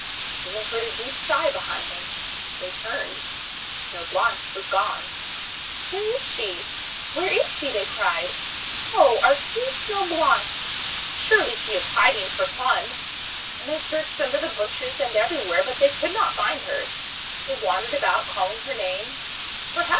Then they heard a deep sigh behind them. They turned. Snow Blanche was gone! 'Where Is she? WTiere is she?' they cried. f<0h! our sweet Snow Blanche! Surely she is hiding for fun!'! And they searched under the bushes and every where, but they could not find her. They wan dered about, calling her name.